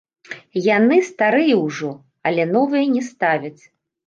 Яны старыя ўжо, але новыя не ставяць.